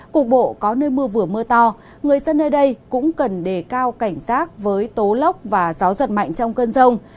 cục bộ có nơi mưa vừa mưa to người dân nơi đây cũng cần đề cao cảnh giác với tố lốc và gió giật mạnh trong cơn rông